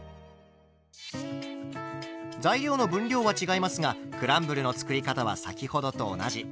材料の分量は違いますがクランブルの作り方は先ほどと同じ。